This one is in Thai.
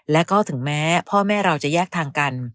แล้วก็ถึงแม้พ่อแม่เราจะแยกทางกัน